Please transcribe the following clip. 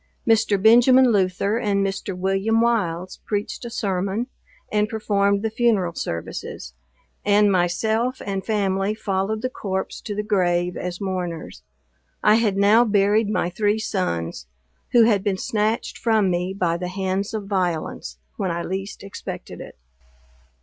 Mr. Benjamin Luther, and Mr. William Wiles, preached a sermon, and performed the funeral services; and myself and family followed the corpse to the grave as mourners. I had now buried my three sons, who had been snatched from me by the hands of violence, when I least expected it.